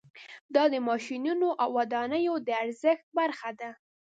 دا د ماشینونو او ودانیو د ارزښت برخه ده